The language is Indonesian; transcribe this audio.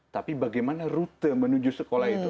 tapi bagaimana rute menuju sekolah itu